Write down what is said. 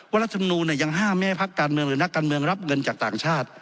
เพราะรัฐนุนเนี่ยยังห้ามให้ภักด์การเมืองหรือนักการเมืองรับเงินจากต่างชาติ